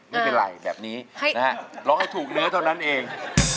ไม่เป็นไรแบบนี้นะฮะร้องให้ถูกเนื้อเท่านั้นเอง